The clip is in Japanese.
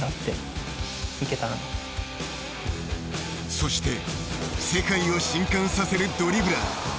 そして世界を震撼させるドリブラー。